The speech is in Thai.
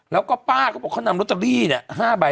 แล้วก็ป้าก็บอกเขานำรอตเตอรี่๕ใบ